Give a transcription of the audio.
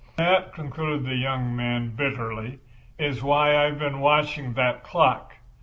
That," concluded the young man bitterly, "is why I have been watching that clock.